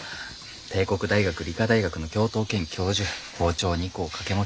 帝国大学理科大学の教頭兼教授校長を２校掛け持ち政府の仕事。